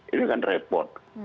itu kan repot